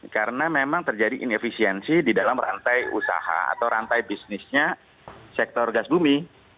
karena memang terjadi inefisiensi di dalam rantai usaha atau rantai bisnisnya sektor gas bumi